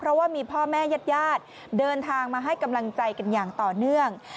เพราะว่ามีพ่อแม่ญาติญาติเดินทางมาให้กำลังใจกันอย่างต่อเนื่อง